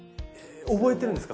覚えてるんですか？